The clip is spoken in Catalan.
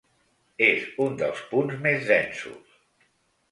És un dels punts més densos.